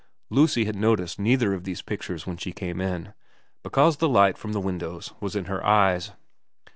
Lucy had noticed neither of these pictures when she came in, because the light from the windows was in her eyes.